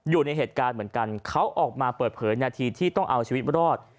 อยู่ในเหตุการณ์เหมือนกันเขาออกมาเปิดเผยนาทีที่ต้องเอาชีวิตรอด